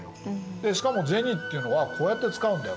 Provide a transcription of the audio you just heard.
で「しかも銭っていうのはこうやって使うんだよ。